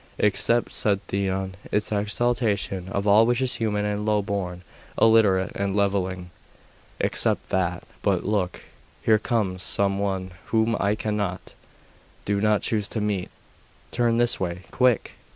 'Except,' said Theon, 'its exaltation of all which is human and low born, illiterate, and levelling.' 'Except that . But look! here comes some one whom I cannot do not choose to meet. Turn this way quick!